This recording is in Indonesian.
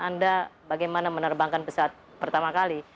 anda bagaimana menerbangkan pesawat pertama kali